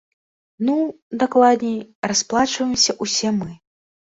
Ну, дакладней, расплачваемся ўсе мы.